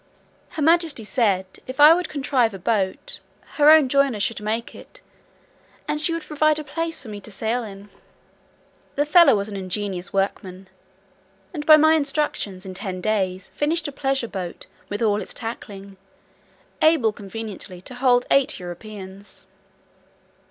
Her majesty said, if I would contrive a boat, her own joiner should make it, and she would provide a place for me to sail in. The fellow was an ingenious workman, and by my instructions, in ten days, finished a pleasure boat with all its tackling, able conveniently to hold eight Europeans.